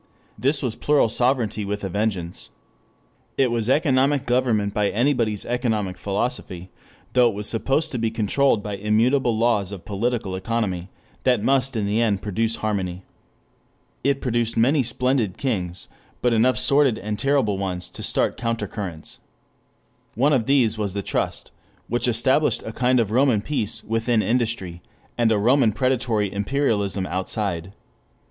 This was plural sovereignty with a vengeance. It was economic government by anybody's economic philosophy, though it was supposed to be controlled by immutable laws of political economy that must in the end produce harmony. It produced many splendid things, but enough sordid and terrible ones to start counter currents. One of these was the trust, which established a kind of Roman peace within industry, and a Roman predatory imperialism outside.